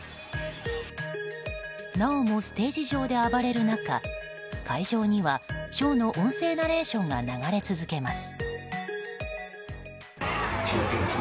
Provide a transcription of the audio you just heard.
なおもステージ上で暴れる中会場には、ショーの音声ナレーションが流れ続けます。